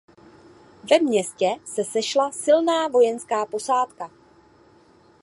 Ve městě se sešla silná vojenská posádka.